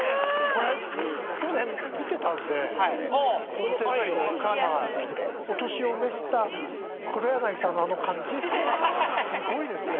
これ去年見てたんでこの『徹子の』。お年を召した黒柳さんのあの感じすごいですね！